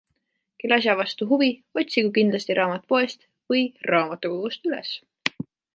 Kel asja vastu huvi, otsigu kindlasti raamat poest või raamatukogust üles.